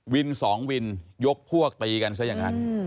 วินสองวินยกพวกตีกันซะอย่างนั้น